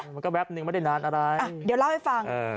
มันก็แป๊บนึงไม่ได้นานอะไรเดี๋ยวเล่าให้ฟัง